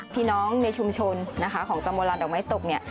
พี่น้องในชุมชนของกระมวลาดอกไม้ตก